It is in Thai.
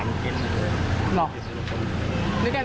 หรอหรือแค่มีฟันไหม